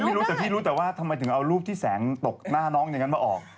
ไม่รู้แต่พี่รู้แต่ว่าทำไมถึงเอารูปที่แสงตกหน้าน้องอย่างนั้นมาออก